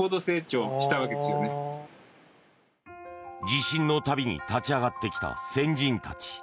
地震の度に立ち上がってきた先人たち。